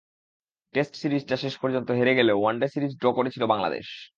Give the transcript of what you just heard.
Test সিরিজটা শেষ পর্যন্ত হেরে গেলেও ওয়ানডে সিরিজ ড্র করেছিল বাংলাদেশ।